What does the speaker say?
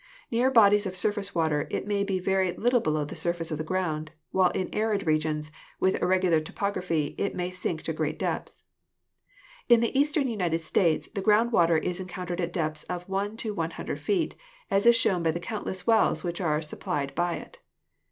Near bodies of surface water it may be very little below the surface of the ground, while in arid regions, with irregular topography, it may sink to great depths. In the eastern United States the ground water is encountered at depths of 1 100 feet, as is shown by the countless wells which are supplied by it.